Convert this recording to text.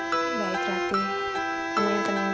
kamu hanya tenang dulu ya